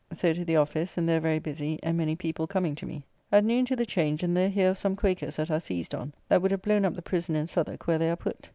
So to the office and there very busy, and many people coming to me. At noon to the Change, and there hear of some Quakers that are seized on, that would have blown up the prison in Southwark where they are put.